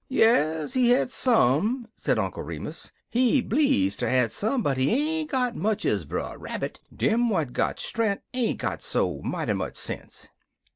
"Yes, he had some," said Uncle Remus. "He bleedz ter had some, but he ain't got much ez Brer Rabbit. Dem what got strenk ain't got so mighty much sense.